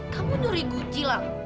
kamu mencuri guci lah